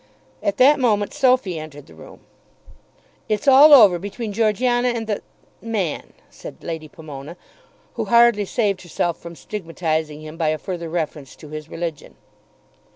At that moment Sophy entered the room. "It's all over between Georgiana and the man," said Lady Pomona, who hardly saved herself from stigmatising him by a further reference to his religion.